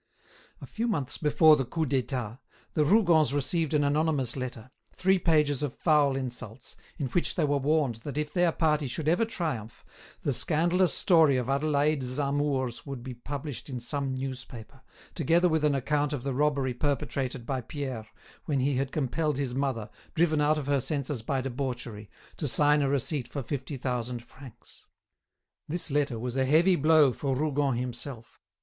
A few months before the Coup d'État, the Rougons received an anonymous letter, three pages of foul insults, in which they were warned that if their party should ever triumph, the scandalous story of Adélaïde's amours would be published in some newspaper, together with an account of the robbery perpetrated by Pierre, when he had compelled his mother, driven out of her senses by debauchery, to sign a receipt for fifty thousand francs. This letter was a heavy blow for Rougon himself.